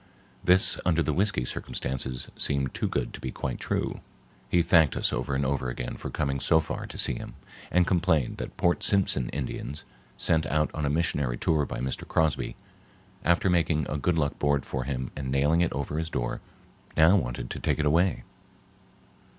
This under the whiskey circumstances seemed too good to be quite true. He thanked us over and over again for coming so far to see him, and complained that Port Simpson Indians, sent out on a missionary tour by Mr. Crosby, after making a good luck board for him and nailing it over his door, now wanted to take it away.